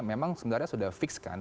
memang sebenarnya sudah fix kan